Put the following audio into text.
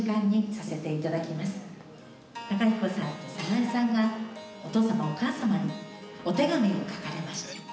公彦さんと早苗さんがお父様お母様にお手紙を書かれました。